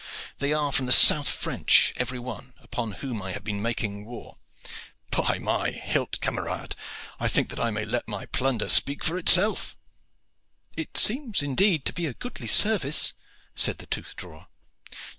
They are from the South French, every one, upon whom I have been making war. By my hilt! camarades, I think that I may let my plunder speak for itself." "It seems indeed to be a goodly service," said the tooth drawer.